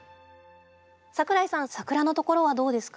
櫻井さん桜のところはどうですか？